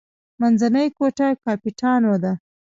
منځنۍ ګوته کاپیټانو ده.